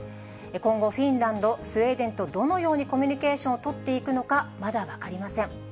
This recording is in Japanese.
今後、フィンランド、スウェーデンとどのようにコミュニケーションを取っていくのか、まだ分かりません。